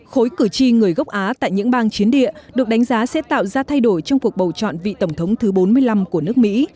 khối cử tri người gốc á tại những bang chiến địa được đánh giá sẽ tạo ra thay đổi trong cuộc bầu chọn vị tổng thống thứ bốn mươi năm của nước mỹ